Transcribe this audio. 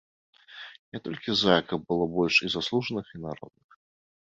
Я толькі за, каб было больш і заслужаных і народных.